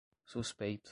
suspeito